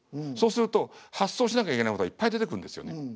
そうすると発想しなきゃいけないことがいっぱい出てくるんですよね。